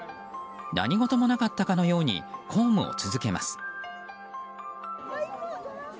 何事もなかったかのように公務を続けます。